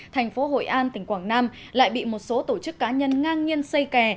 thành phố hội an tỉnh quảng nam lại bị một số tổ chức cá nhân ngang nhiên xây kè